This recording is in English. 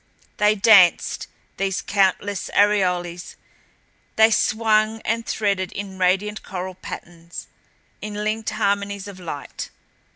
They danced, these countless aureoles; they swung and threaded in radiant choral patterns, in linked harmonies of light.